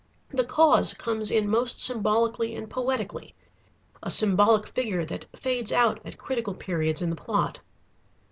'The Cause' comes in most symbolically and poetically, a symbolic figure that 'fades out' at critical periods in the plot.